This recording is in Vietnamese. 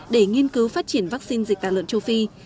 để nghiên cứu phát triển vaccine dịch tả lợn châu phi